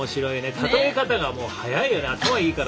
例え方が早いよね、頭がいいから。